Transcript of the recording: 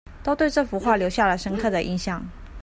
都對這幅畫留下了深刻的印象